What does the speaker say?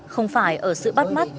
không phải ở sự bắt mắt